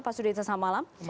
pak sudirte selamat malam